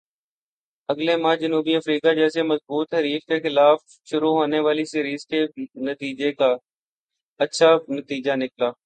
اگلے ماہ جنوبی افریقہ جیسے مضبوط حریف کے خلاف شروع ہونے والی سیریز کے نتیجے کا